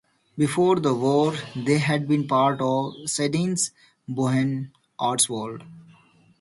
Before the war they had been part of Sydney's Bohemian arts world.